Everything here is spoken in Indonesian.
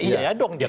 iya ya dong